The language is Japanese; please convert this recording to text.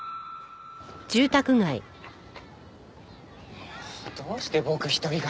もうどうして僕一人が。